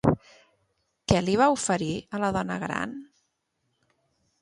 Què li va oferir a la dona gran?